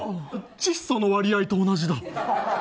窒素の割合と同じだ。